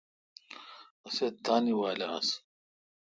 اسہ تانی وال آس۔